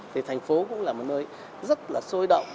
thành phố cũng là một nơi rất sôi động